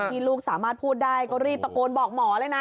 ลูกสามารถพูดได้ก็รีบตะโกนบอกหมอเลยนะ